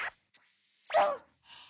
うん！